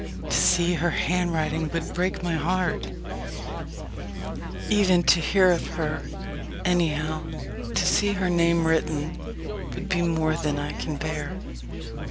To see her handwriting would break my heart even to hear of her anyhow, to see her name written, would be more than I can bear.